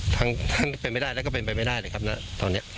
ทั้งเป็นไม่ได้แล้วก็เป็นไปไม่ได้เลยครับณตอนนี้